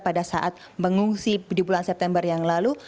pada saat mengungsi di bulan september yang lalu